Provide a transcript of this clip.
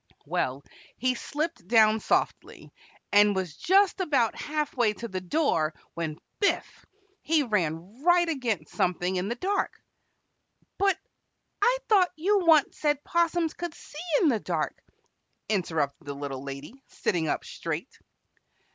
Well, he slipped down softly, and was just about half way to the door when biff! he ran right against something in the dark "But I thought you said once 'possums could see in the dark?" interrupted the Little Lady, sitting up straight.